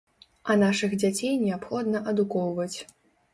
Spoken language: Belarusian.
А нашых дзяцей неабходна адукоўваць.